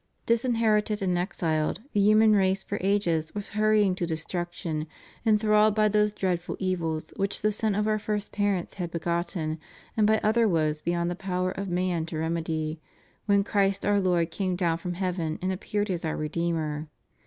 Disinherited and exiled, the human race for ages was hurrying to destruction, enthralled by those dreadful evils which the sin of our first parents had begotten and by other woes beyond the power of man to remedy, when Christ our Lord came down from heaven and appeared as our Redeemer.